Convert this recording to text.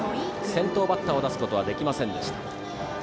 先頭バッターを出すことはできませんでした。